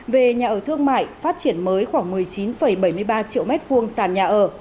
về nhà ở thương mại phát triển mới khoảng một mươi chín bảy mươi ba triệu m hai sàn nhà ở